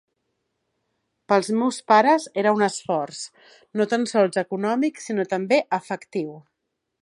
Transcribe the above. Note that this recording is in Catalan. Pels meus pares era un esforç, no tan sols econòmic, sinó també afectiu.